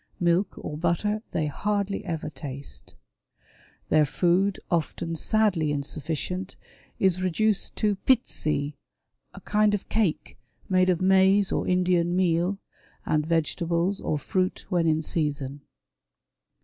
Milk or butter they hardly ever taste. Their food, often sadly insufiicient, is reduced to pizzt, a kind of cake made of Maize or Indian meal ; and vegetables, or fruit, when in season.